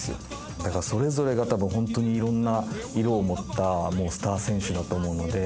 だからそれぞれがいろんな色を持ったスター選手だと思うので。